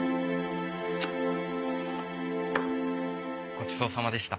ごちそうさまでした。